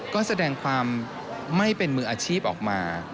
ก็แสดงความไม่เป็นมืออาชีพออกมา